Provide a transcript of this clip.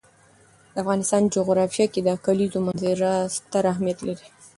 د افغانستان جغرافیه کې د کلیزو منظره ستر اهمیت لري.